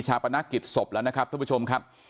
ชาปนากฤษฐฝ์แล้วนะครับทุกผู้ชมครับ